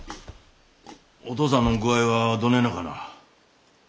お父さんの具合はどねえなかな？